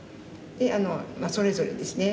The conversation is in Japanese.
でそれぞれですね。